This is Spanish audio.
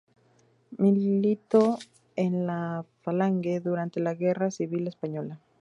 Militó en la Falange durante la Guerra Civil Española.